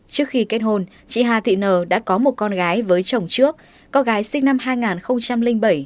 trước khi kết hôn chị hà thị nờ đã có một con gái với chồng trước con gái sinh năm hai nghìn bảy